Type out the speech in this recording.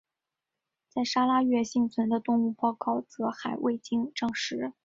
在砂拉越幸存的动物报告则还未经证实。